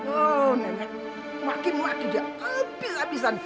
oh nenek maki maki dia abis abisan